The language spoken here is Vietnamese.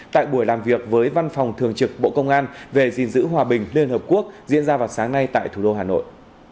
tại buổi làm việc với văn phòng thường trực bộ công an về gìn giữ hòa bình liên hợp quốc diễn ra vào sáng nay tại thủ đô hà nội